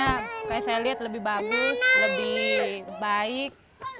seperti yang saya lihat lebih bagus lebih baik